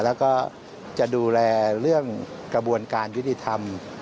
แล้วก็จะดูแลเรื่องกระบวนการยุติธรรม